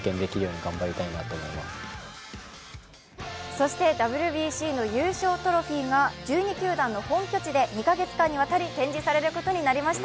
そしてＷＢＣの優勝トロフィーが１２球団の本拠地で２か月間にわたり展示されることになりました。